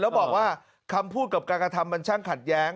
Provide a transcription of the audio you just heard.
แล้วบอกว่าคำพูดกับการกระทำมันช่างขัดแย้ง